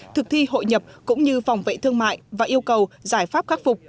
thực thi hội nhập cũng như phòng vệ thương mại và yêu cầu giải pháp khắc phục